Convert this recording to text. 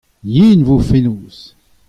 Yen e vo fenoz.